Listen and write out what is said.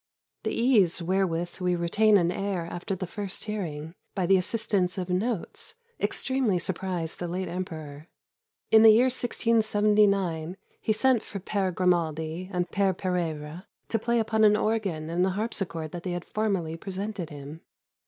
The ease wherewith we retain an air after the first hearing, by the assistance of notes, extremely surprised the late emperor. In the year 1679, he sent for Pere Grimaldi and Pere Pereira to play upon an organ and a harpsichord that they had formerly presented him.